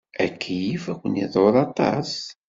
Akeyyef ad ken-iḍurr aṭas.